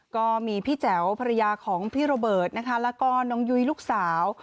ก็มีพี่แจ๋วภรรยาของพี่โรเบิร์ตนะคะแล้วก็น้องยุ้ยลูกสาว